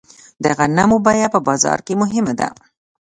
د غنمو بیه په بازار کې مهمه ده.